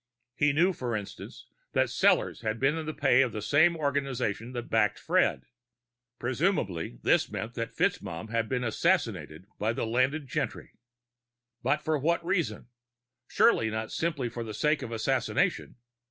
He knew, for instance, that Sellors had been in the pay of the same organization that backed Fred. Presumably, this meant that FitzMaugham had been assassinated by the landed gentry. But for what reason? Surely, not simply for the sake of assassination.